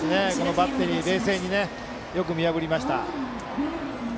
バッテリーが冷静によく見破りました。